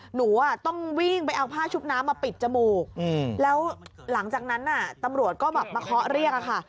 หนูต้องวิ่งไปเอาผ้าชุบน้ำมาปิดจมูกแล้วหลังจากนั้นตำรวจก็แบบมาเคาะเรียกอะค่ะ